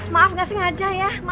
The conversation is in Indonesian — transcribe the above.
maaf gak sengaja ya